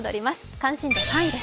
関心度３位です。